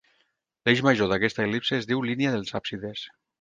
L'eix major d'aquesta el·lipse es diu línia dels àpsides.